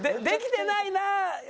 「できてないな。